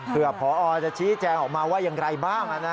เผื่อพอจะชี้แจงออกมาว่าอย่างไรบ้าง